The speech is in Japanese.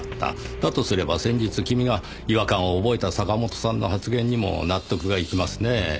だとすれば先日君が違和感を覚えた坂本さんの発言にも納得がいきますねぇ。